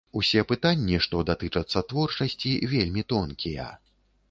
Усе пытанні, што датычацца творчасці, вельмі тонкія.